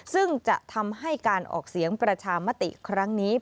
ซึ่งจะทำให้การออกเสียงประชามติครั้งนี้